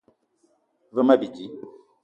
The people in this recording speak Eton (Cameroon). Ve ma bidi